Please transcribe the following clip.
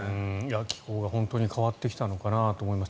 気候が本当に変わってきたのかなと思います。